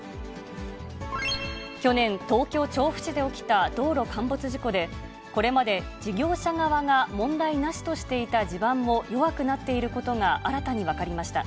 去年、東京・調布市で起きた道路陥没事故で、これまで事業者側が問題なしとしていた地盤も弱くなっていることが新たに分かりました。